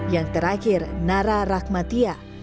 yang terakhir nara rahmatia